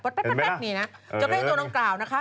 เจ้าแขกโดนกล่าวนะคะ